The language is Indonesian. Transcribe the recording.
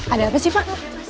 ada apa sih pak